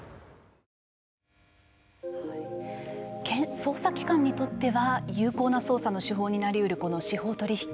捜査機関にとっては有効な捜査の手法になり得るこの司法取引。